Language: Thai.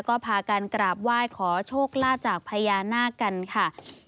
ก็พากันกราบไหว้ขอโชคลาภจากพญานาคกันค่ะ